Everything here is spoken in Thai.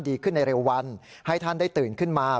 ดีขึ้นในเร็ววันให้ท่านได้ตื่นขึ้นมา